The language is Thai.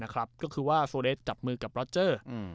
ก็คือว่าโซเลสจับมือกับรอเจอร์